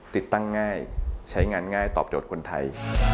ติดตั้งง่ายใช้งานง่ายตอบโจทย์คนไทย